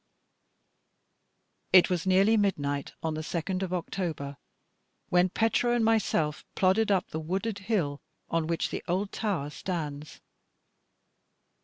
It was nearly midnight on the 2d of October, when Petro and myself plodded up the wooded hill on which the old tower stands.